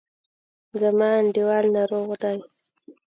زما انډیوال ناروغ دی.